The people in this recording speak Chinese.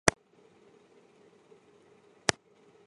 青化乡是中国陕西省宝鸡市眉县下辖的一个乡。